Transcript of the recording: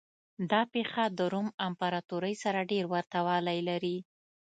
دا پېښه د روم امپراتورۍ سره ډېر ورته والی لري.